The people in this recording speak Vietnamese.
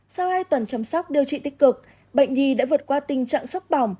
sau hai tuần chăm sóc điều trị tích cực bệnh nhi đã vượt qua tình trạng sốc bỏng